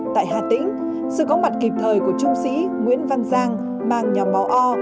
tại hà tĩnh sự có mặt kịp thời của trung sĩ nguyễn văn giang mang nhóm máu o